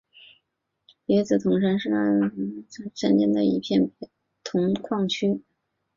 别子铜山是爱媛县新居滨市山间的一片铜矿区。